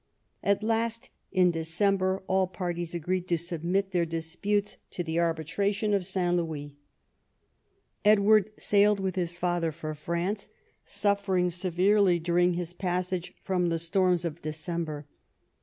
At last, in December, all parties agreed to submit their disputes to the arbitration of St. Louis. Edward sailed with his father for France, suffering severely during his passage from the storms of December.